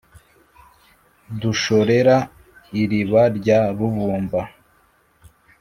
dushorera iriba rya rubumba